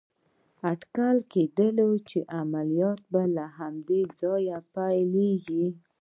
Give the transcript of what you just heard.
اټکل کېده چې عملیات به له همدې ځایه پيلېږي.